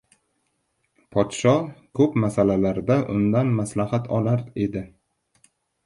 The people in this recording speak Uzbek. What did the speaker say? podsho koʻp masalalarda undan maslahat olar edi.